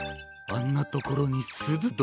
あんなところにすずどのが！